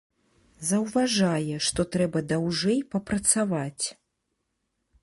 Заўважае, што трэба даўжэй папрацаваць.